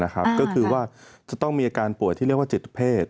ก็คือว่าจะต้องมีอาการป่วยที่เรียกว่าจิตเพศ